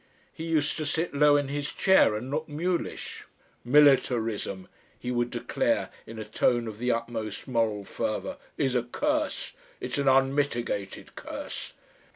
He used to sit low in his chair and look mulish. "Militarism," he would declare in a tone of the utmost moral fervour, "is a curse. It's an unmitigated curse."